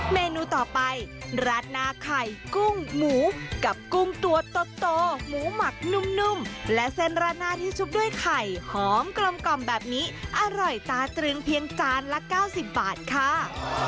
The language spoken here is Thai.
เมนูต่อไปราดหน้าไข่กุ้งหมูกับกุ้งตัวโตหมูหมักนุ่มและเส้นราดหน้าที่ชุบด้วยไข่หอมกลมแบบนี้อร่อยตาตรึงเพียงจานละ๙๐บาทค่ะ